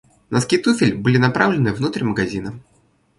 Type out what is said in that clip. Носки туфель были направлены внутрь магазина.